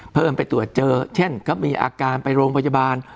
ไปตรวจเจอเช่นก็มีอาการไปโรงพยาบาล